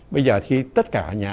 bây giờ thì tất cả nhà